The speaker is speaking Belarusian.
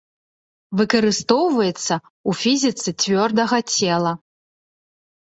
Выкарыстоўваецца ў фізіцы цвёрдага цела.